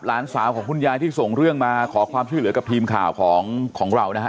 หลานสาวของคุณยายที่ส่งเรื่องมาขอความช่วยเหลือกับทีมข่าวของเรานะฮะ